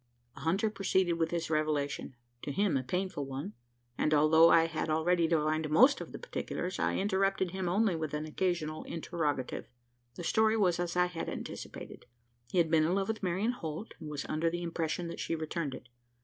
The hunter proceeded with his revelation to him, a painful one and, although I had already divined most of the particulars, I interrupted him only with an occasional interrogative. The story was as I had anticipated. He had been in love with Marian Holt; and was under the impression that she returned it.